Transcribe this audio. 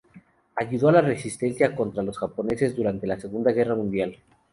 Ayudó a la resistencia contra los japoneses durante la Segunda Guerra Mundial.